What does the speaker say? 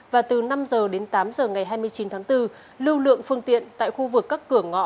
và từ năm h đến tám h ngày hai mươi chín tháng bốn lưu lượng phương tiện tại khu vực các cửa ngõ